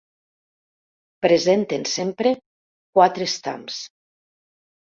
Presenten sempre quatre estams.